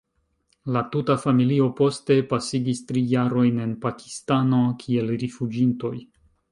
La tuta familio poste pasigis tri jarojn en Pakistano kiel rifuĝintoj.